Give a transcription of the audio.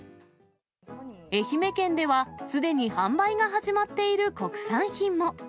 愛媛県では、すでに販売が始まっている国産品も。